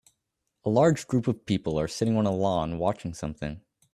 A large group of people are sitting on a lawn watching something